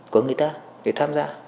của người ta để tham gia